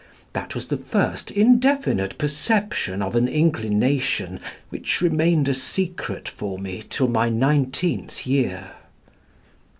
That was the first indefinite perception of an inclination which remained a secret for me till my nineteenth year."